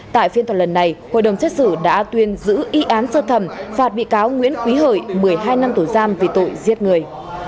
tại phiên toàn lần này hội đồng xét xử đã tuyên giữ y án sơ thẩm phạt bị cáo nguyễn quý hợi một mươi hai năm tù giam về tội giết người